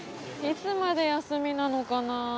いつまで休みなのかな